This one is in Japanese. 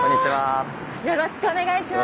よろしくお願いします。